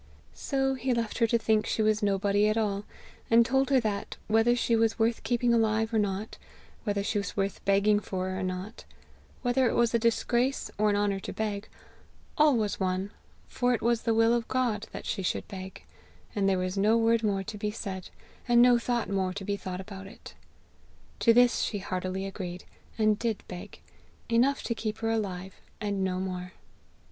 So he left her to think she was nobody at all; and told her that, whether she was worth keeping alive or not, whether she was worth begging for or not, whether it was a disgrace or an honour to beg, all was one, for it was the will of God that she should beg, and there was no word more to be said, and no thought more to be thought about it. To this she heartily agreed, and did beg enough to keep her alive, and no more.